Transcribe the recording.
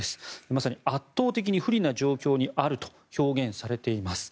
まさに圧倒的に不利な状況にあると表現されています。